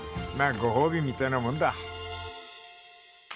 まあご褒美みたいなもんだ。